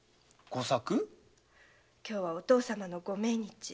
今日はお義父さまのご命日。